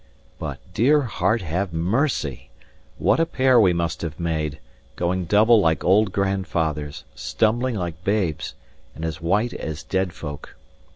But, dear heart have mercy! what a pair we must have made, going double like old grandfathers, stumbling like babes, and as white as dead folk.